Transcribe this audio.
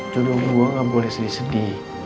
jodoh gue gak boleh sedih sedih